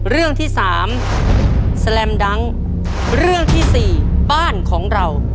เรื่องที่สามแสลมดังเรื่องที่สี่บ้านของเรา